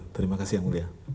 terima kasih yang mulia